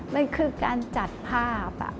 มันคือการจัดภาพ